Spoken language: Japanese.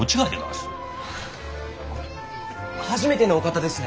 初めてのお方ですね。